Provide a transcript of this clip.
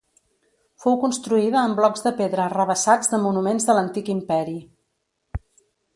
Fou construïda amb blocs de pedra arrabassats de monuments de l'Antic Imperi.